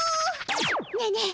ねえねえ